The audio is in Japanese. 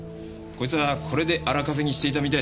こいつはこれで荒稼ぎしていたみたいだ。